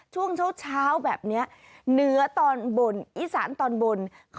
ช่วงเช้าแบบนี้เหนือตอนบนอีสานตอนบน